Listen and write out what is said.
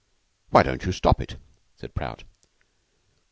"Why don't you stop it?" said Prout.